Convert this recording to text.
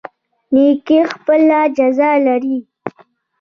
نیکي خپله جزا لري